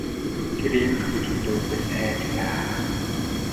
Тэр иймэрхүү зүйлдээ үнэхээр сайн л даа.